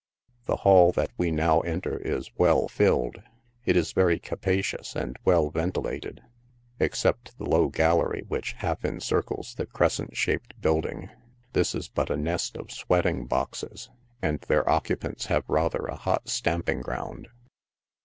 The hall that we now enter is well filled ; it is very capacious and well ventilated, except the low gallery which half encircles the crescent shaped building ; this is but a nest of sweating boxes, and their occupants have rather a hot stamping ground.